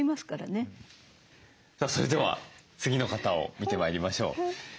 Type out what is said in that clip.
それでは次の方を見てまいりましょう。